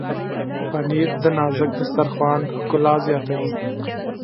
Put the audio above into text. پنېر د نازک دسترخوان ښکلا زیاتوي.